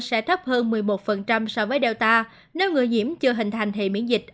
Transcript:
sẽ thấp hơn một mươi một so với delta nếu người nhiễm chưa hình thành thì miễn dịch